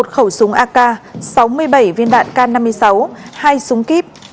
một khẩu súng ak sáu mươi bảy viên đạn k năm mươi sáu hai súng kíp